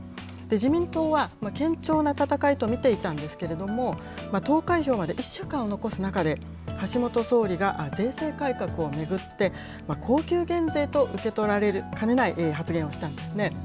自民党は堅調な戦いと見ていたんですけれども、投開票まで１週間を残す中で、橋本総理が税制改革を巡って、恒久減税と受け取られかねない発言をしたんですね。